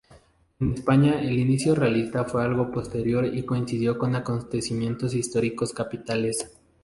En España, el inicio realista fue algo posterior y coincidió con acontecimientos históricos capitales.